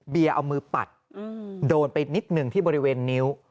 เอามือปัดโดนไปนิดหนึ่งที่บริเวณนิ้ว